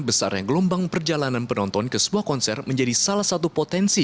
besarnya gelombang perjalanan penonton ke sebuah konser menjadi salah satu potensi